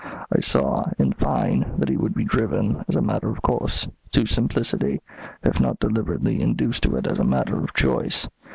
I saw, in fine, that he would be driven, as a matter of course, to simplicity, if not deliberately induced to it as a matter of choice.